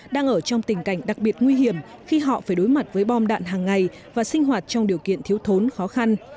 đang ở trong tình cảnh đặc biệt nguy hiểm khi họ phải đối mặt với bom đạn hàng ngày và sinh hoạt trong điều kiện thiếu thốn khó khăn